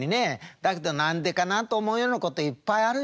だけどなんでかな？と思うようなこといっぱいあるよ。